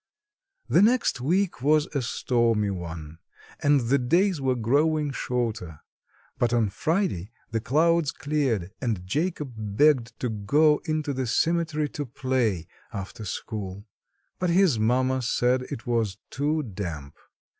The next week was a stormy one and the days were growing shorter. But on Friday the clouds cleared and Jacob begged to go into the cemetery to play after school. But his mamma said it was too damp.